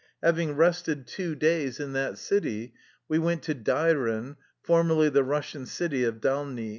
Having rested two days in that city, we went to Dairen, for merly the Russian city of Dalny.